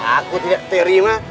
aku tidak terima